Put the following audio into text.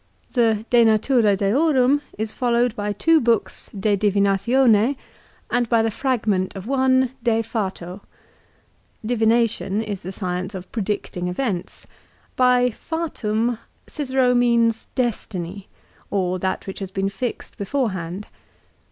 The " De Natura Deorum " is followed by two books " De Divinatione " and by the fragment of one " De Fato." Divination is the science of predicting events. By " Fatum " Cicero means destiny, or that which has been fixed before hand.